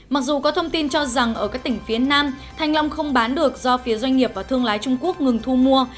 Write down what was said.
mặc dù có thông tin cho rằng ở các tỉnh phía nam thanh long không bán được do phía doanh nghiệp và thương lái trung quốc ngừng thu mua